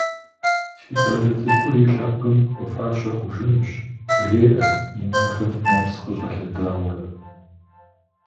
Си щӏалэ цӏыкӏур и лъэпкъым хуэфащэ хъужынущ, – жеӏэ, и нэхэм нэпс къыщӏэлъадэурэ.